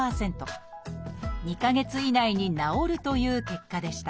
２か月以内に治るという結果でした。